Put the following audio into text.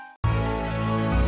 ada sesuatu mau diturunkan